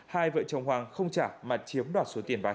hai vợ chồng hoàng không trả mà chiếm đoạt số tiền bán